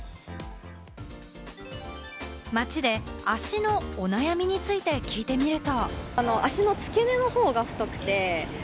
街で脚のお悩みについて聞いてみると。